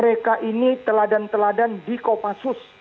mereka ini teladan teladan di kopassus